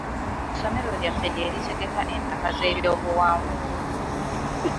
Essomero lyaffe lye litegeka empaka z'ebyobuwangwa.